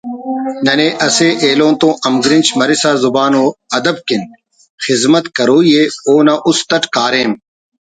ننے اسہ ایلوتون ہمگرنچ مرسا زبان وادب کن خذمت کروئی ءِ اونا اُست اَٹ کاریم